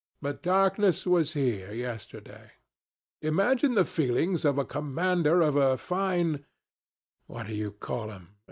But darkness was here yesterday. Imagine the feelings of a commander of a fine what d'ye call 'em?